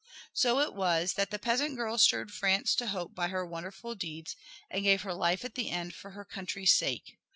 So it was that the peasant girl stirred France to hope by her wonderful deeds, and gave her life at the end for her country's sake.